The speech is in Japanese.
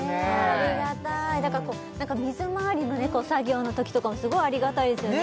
ありがたい水まわりの作業のときとかもすごいありがたいですよね